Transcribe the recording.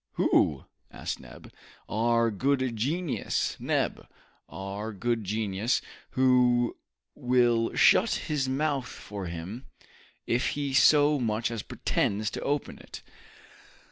"Who?" asked Neb. "Our good genius, Neb, our good genius, who will shut his mouth for him, if he so much as pretends to open it!"